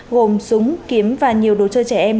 gồm súng kiếm và nhiều đồ chơi trẻ em